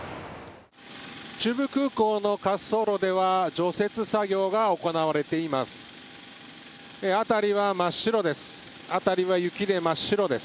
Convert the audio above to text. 中部空港の滑走路では除雪作業が行われています。